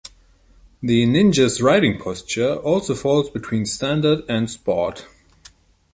The Ninja's riding posture also falls between standard and sport.